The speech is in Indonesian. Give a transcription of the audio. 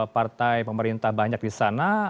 partai pemerintah banyak di sana